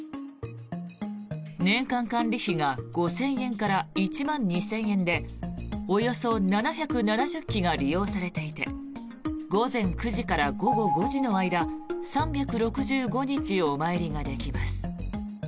年間管理費が５０００円から１万２０００円でおよそ７７０基が利用されていて午前９時から午後５時の間３６５日お参りができます。